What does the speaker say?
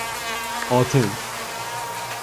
آتن